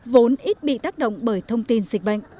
vốn ít bị tác động bởi thông tin dịch bệnh